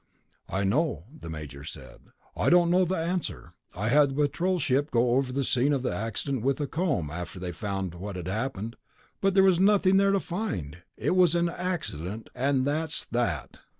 "I know," the major said. "I don't know the answer. I had the Patrol ship go over the scene of the accident with a comb after they found what had happened, but there was nothing there to find. It was an accident, and that's that."